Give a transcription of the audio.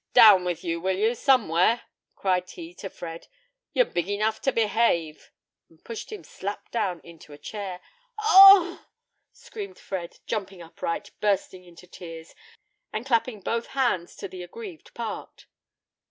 "Down with you will you, somewhere?" cried he to Fred; "you're big enough to behave," and pushed him slap down into a chair. "O!" screamed Fred, jumping upright, bursting into tears, and clapping both hands to the aggrieved part.